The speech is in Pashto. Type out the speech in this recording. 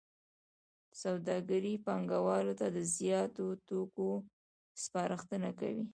سوداګر پانګوالو ته د زیاتو توکو سپارښتنه کوي